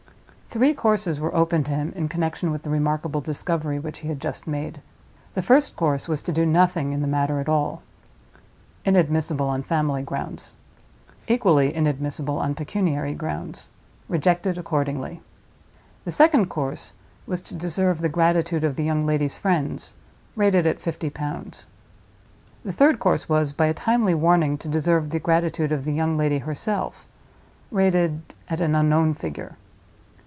Three courses were open to him in connection with the remarkable discovery which he had just made. The first course was to do nothing in the matter at all. Inadmissible, on family grounds: equally inadmissible on pecuniary grounds: rejected accordingly. The second course was to deserve the gratitude of the young lady's friends, rated at fifty pounds. The third course was, by a timely warning to deserve the gratitude of the young lady herself, rated—at an unknown figure.